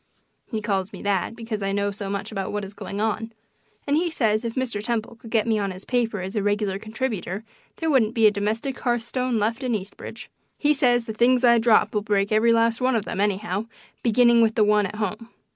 He calls me that because I know so much about what is going on; and he says if Mr. Temple could get me on his paper as a regular contributor there wouldn't be a domestic hearth stone left in Eastridge. He says the things I drop will break every last one of them, anyhow, beginning with the one at home.